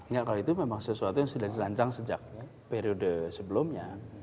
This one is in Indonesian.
ya kalau itu memang sesuatu yang sudah dirancang sejak periode sebelumnya